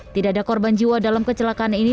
tidak ada korban jiwa dalam kecelakaan ini